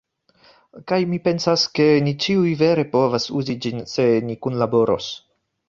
Kaj mi pensas, ke ni ĉiuj vere povas uzi ĝin, se ni kunlaboros.